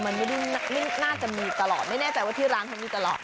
มันไม่ได้น่าจะมีตลอดไม่แน่ใจว่าที่ร้านเขามีตลอด